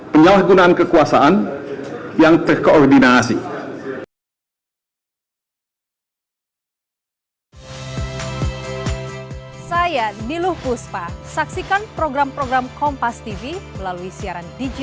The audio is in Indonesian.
penyalahgunaan kekuasaan yang terkoordinasi